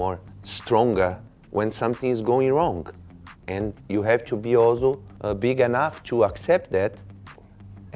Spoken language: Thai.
เรื่องนี้ก็ต้องมีทางใหญ่ในการได้รักและเฉพาะ